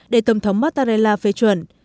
để tổng thống mattarella phê chuẩn